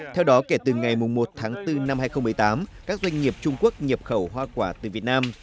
theo đó kể từ ngày một tháng bốn năm hai nghìn một mươi tám các doanh nghiệp trung quốc nhập khẩu hoa quả từ việt nam